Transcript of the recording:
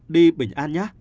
đi bình an nha